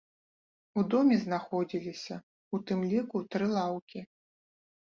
У доме знаходзіліся ў тым ліку тры лаўкі.